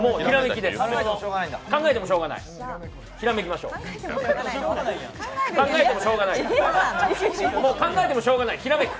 考えてもしょうがない、ひらめきましょう。考えてもしょうがない、ひらめく。